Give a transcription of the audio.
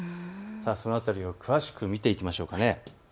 その辺りを詳しく見ていきましょう。